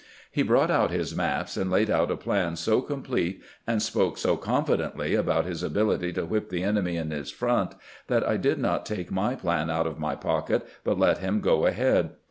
He brought out his maps, and laid out a plan so complete, and spoke so confidently about his ability to whip the enemy in his front, that I did not take my plan out of my pocket, but let him go ahead.